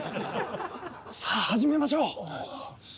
さあ始めましょう！